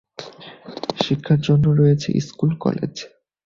শিক্ষার জন্য রয়েছে স্কুল, কলেজ।